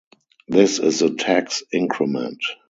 This is the tax increment.